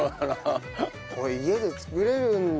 これ家で作れるんだ。